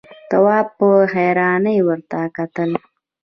تواب په حيرانۍ ورته کتل…